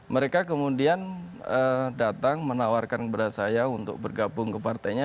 mereka kemudian datang menawarkan kepada saya untuk bergabung ke partainya